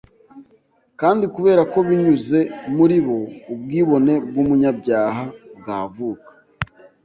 Kandi kubera ko binyuze muri bo ubwibone bw'umunyabyaha bwavuka